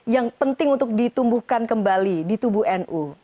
yang penting untuk ditumbuhkan kembali di tubuh nu